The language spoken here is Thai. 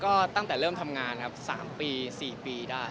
ก็ตั้งแต่เริ่มทำงานครับ๓ปี๔ปีได้